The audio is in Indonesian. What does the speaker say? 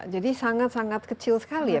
jadi sangat sangat kecil sekali ya